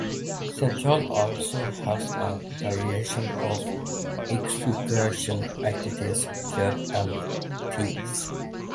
Central also has a variety of extracurricular activities, clubs, and teams.